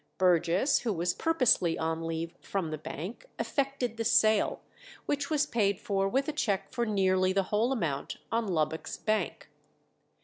Burgess, who was purposely on leave from the bank, effected the sale, which was paid for with a cheque for nearly the whole amount on Lubbock's Bank.